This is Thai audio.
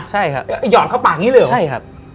ใช่ครับหยอดเข้าปากอย่างนี้เลยเหรอใช่ครับ